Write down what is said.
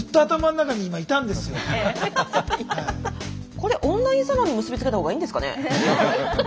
これオンラインサロンに結び付けた方がいいんですかね。